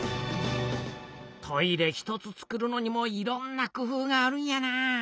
トイレ一つ作るのにもいろんなくふうがあるんやな。